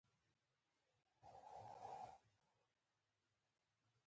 یو ستر دېوال په وینډولا کې موقعیت درلود